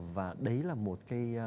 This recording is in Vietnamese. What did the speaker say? và đấy là một cái